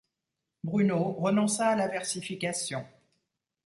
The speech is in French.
Bruneau renonça à la versification.